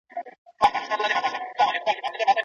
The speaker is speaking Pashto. مؤمنان چې ايمان لري، استقامت هم لري.